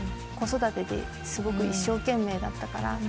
子育てですごく一生懸命だったから。